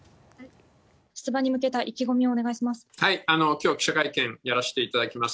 出馬に向けた意気込みをお願いします。